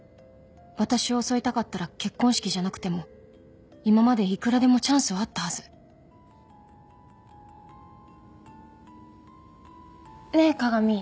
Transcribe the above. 私を襲いたかったら結婚式じゃなくても今までいくらでもチャンスはあったはずねえ加賀美。